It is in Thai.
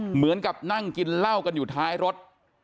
เหมือนกับนั่งกินเหล้ากันอยู่ท้ายรถ